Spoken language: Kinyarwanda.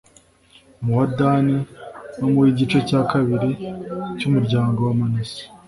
mu wa dani, no mu w'igice cya kabiri cy'umuryango wa manase